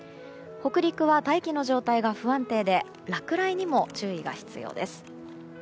北陸は大気の状態が不安定で落雷にも注意が必要です。